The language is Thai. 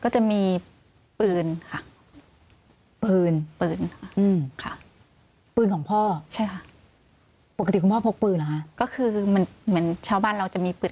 ใช่ค่ะปกติคุณพ่อพกปืนหรอค่ะก็คือเหมือนเช้าบ้านเราจะมีปืน